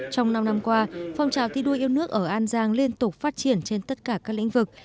trong năm năm qua phong trào thi đua yêu nước ở an giang liên tục phát triển trên tất cả các lĩnh vực